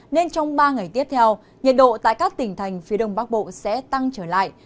nên trong ba ngày tiếp theo nhiệt độ tại các tỉnh thành phía đông bắc bộ sẽ tăng trở lại